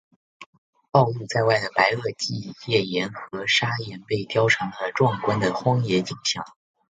暴露在外的白垩纪页岩和砂岩被雕刻成了壮观的荒野景象。